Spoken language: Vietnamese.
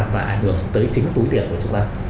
và ảnh hưởng tới chính túi tiền của chúng ta